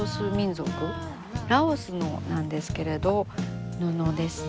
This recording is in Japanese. ラオスのなんですけれど布ですね。